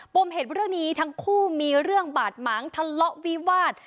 มเหตุเรื่องนี้ทั้งคู่มีเรื่องบาดหมางทะเลาะวิวาส